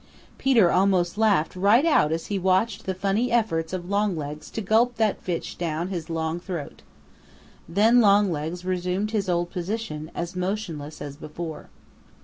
Peter almost laughed right out as he watched the funny efforts of Longlegs to gulp that fish down his long throat. Then Longlegs resumed his old position as motionless as before.